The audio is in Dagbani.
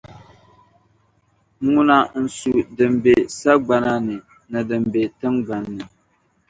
Ŋuna n-su din be sagbana ni, ni din be tiŋgbani.